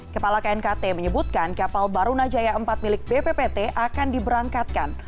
kepala knkt menyebutkan kapal barunajaya empat milik bppt akan diberangkatkan